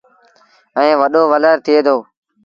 ائيٚݩ وڏو ولر ٿئي دو ۔